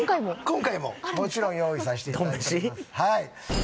今回ももちろん用意さしていただいております